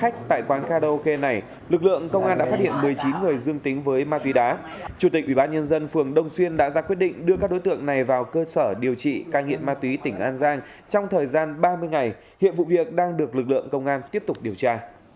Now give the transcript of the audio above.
chủ tịch ubnd phường đông xuyên đã ra quyết định đưa các đối tượng này vào cơ sở điều trị ca nghiện ma túy tỉnh an giang trong thời gian ba mươi ngày hiện vụ việc đang được lực lượng công an tiếp tục điều tra